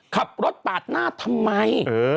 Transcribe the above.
ขับรถปาดหน้าทำไม